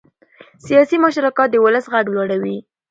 سیاسي مشارکت د ولس غږ لوړوي